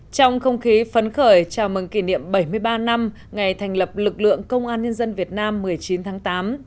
trong không khí phấn khởi chào mừng kỷ niệm bảy mươi ba năm ngày thành lập lực lượng công an nhân dân việt nam một mươi chín tháng tám